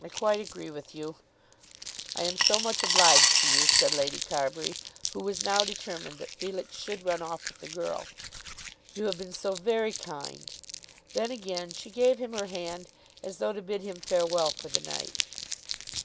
"I quite agree with you. I am so much obliged to you," said Lady Carbury, who was now determined that Felix should run off with the girl. "You have been so very kind." Then again she gave him her hand, as though to bid him farewell for the night.